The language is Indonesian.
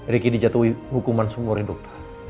riki dijatuhi hukuman seumur hidup